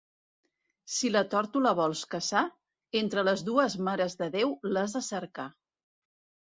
Si la tórtora vols caçar, entre les dues Mares de Déu l'has de cercar.